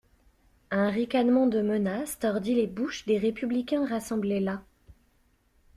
Un ricanement de menace tordit les bouches des républicains rassemblés là.